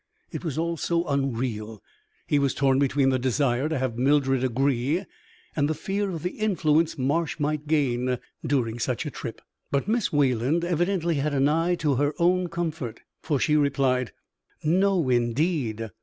It was all so unreal! He was torn between the desire to have Mildred agree, and fear of the influence Marsh might gain during such a trip. But Miss Wayland evidently had an eye to her own comfort, for she replied: "No, indeed!